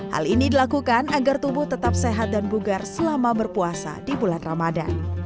hal ini dilakukan agar tubuh tetap sehat dan bugar selama berpuasa di bulan ramadan